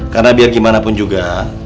karena biar gimana pun juga